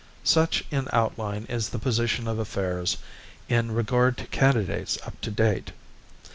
Such in outline is the position of affairs in regard to candidates up to date.